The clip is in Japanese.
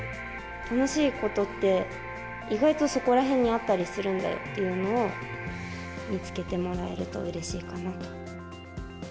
楽しいことって、意外とそこらへんにあったりするんだよっていうのを見つけてもらえるとうれしいかなと。